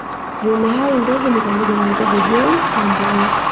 Viumbe hai ndege ni pamoja na ndege John na Mbuni